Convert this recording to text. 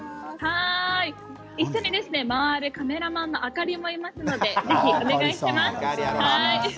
一緒に回るカメラマンのアカリもいますので、ぜひお願いします。